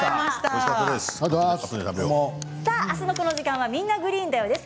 明日のこの時間は「みんな！グリーンだよ」です。